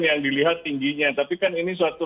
yang dilihat tingginya tapi kan ini suatu